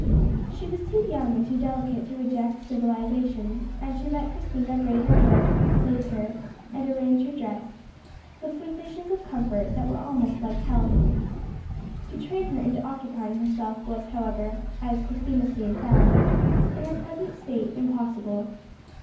She was too young and too delicate to reject civilization, and she let Christina braid her hair, bathe her, and arrange her dress, with sensations of comfort that were almost like health. To train her into occupying herself was however, as Christina soon found, in her present state, impossible.